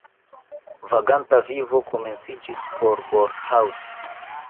Vaganta vivo komenciĝis por Borrhaus.